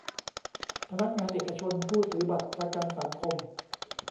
พนักงานเอกชนผู้ถือบัตรประกันสังคม